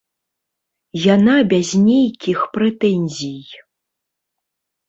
Яна без нейкіх прэтэнзій.